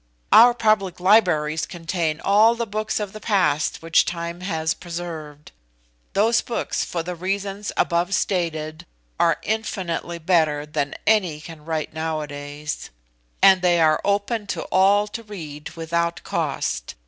"Our public libraries contain all the books of the past which time has preserved; those books, for the reasons above stated, are infinitely better than any can write nowadays, and they are open to all to read without cost.